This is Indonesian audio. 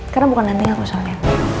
karena bukan anting aku soalnya